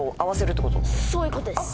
そういうことです。